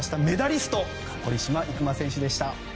メダリスト堀島行真選手でした。